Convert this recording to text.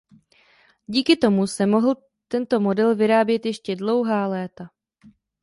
Díky tomu se mohl tento model vyrábět ještě dlouhá léta.